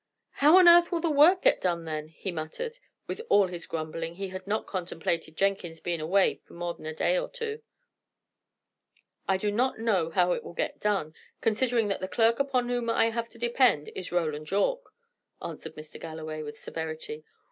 "How on earth will the work get done, then?" he muttered. With all his grumbling, he had not contemplated Jenkins being away more than a day or two. "I do not know how it will get done, considering that the clerk upon whom I have to depend is Roland Yorke," answered Mr. Galloway, with severity.